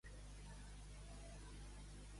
Seguint el pla de quin partit?